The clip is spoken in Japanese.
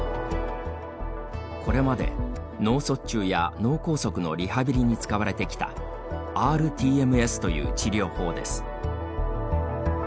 これまで、脳卒中や脳梗塞のリハビリに使われてきたｒＴＭＳという治療法です。